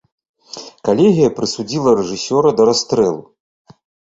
Калегія прысудзіла рэжысёра да расстрэлу.